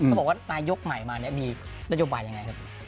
เขาบอกว่านายกใหม่มาเนี่ยมีนโยบายยังไงครับ